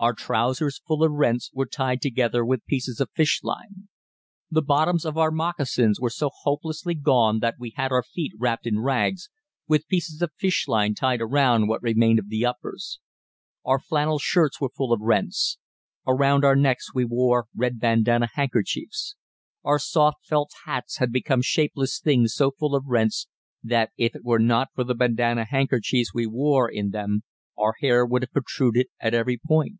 Our trousers, full of rents, were tied together with pieces of fish line. The bottoms of our moccasins were so hopelessly gone that we had our feet wrapped in rags, with pieces of fishline tied around what remained of the uppers. Our flannel shirts were full of rents. Around our necks we wore red bandanna handkerchiefs. Our soft felt hats had become shapeless things so full of rents that if it were not for the bandanna handkerchiefs we wore in them our hair would have protruded at every point.